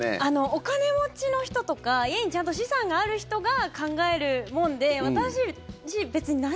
お金持ちの人とか家にちゃんと資産がある人が考えるもんで実家よ。